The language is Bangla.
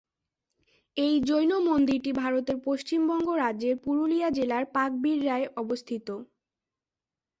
এই জৈন মন্দিরটি ভারতের পশ্চিমবঙ্গ রাজ্যের পুরুলিয়া জেলার পাকবিড়রায় অবস্থিত।